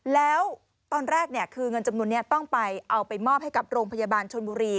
แล้วตอนแรกคือเงินจำนวนนี้ต้องไปเอาไปมอบให้กับโรงพยาบาลชนบุรี